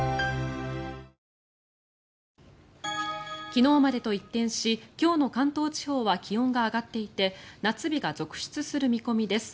昨日までと一転し今日の関東地方は気温が上がっていて夏日が続出する見込みです。